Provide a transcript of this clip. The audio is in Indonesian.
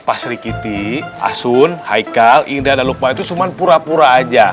pak sri kiti asun haikal indra dan lukman itu cuma pura pura aja